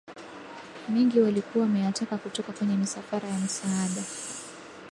mengi walikuwa wameyateka kutoka kwenye misafara ya misaada